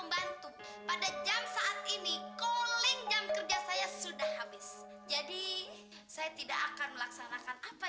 membantu pada jam saat ini calling jam kerja saya sudah habis jadi saya tidak akan melaksanakan apa